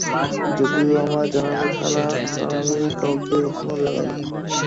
যদিও আমার জানার কথা না কারন আমি কাউকে কখনো লাগাইনি।